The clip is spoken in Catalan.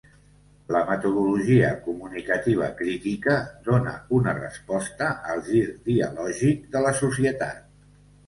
La metodologia comunicativa crítica dona una resposta al gir dialògic de la societat.